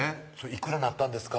「いくらになったんですか？」